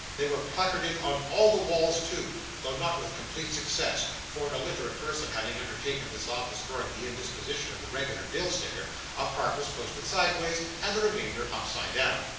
They were placarded on all the walls too, though not with complete success, for an illiterate person having undertaken this office during the indisposition of the regular bill sticker, a part were posted sideways, and the remainder upside down.